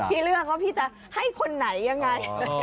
เลือกว่าพี่จะให้คนไหนยังไง